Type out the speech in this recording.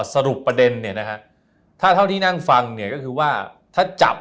สรุปประเด็นเนี่ยนะฮะถ้าเท่าที่นั่งฟังเนี่ยก็คือว่าถ้าจับ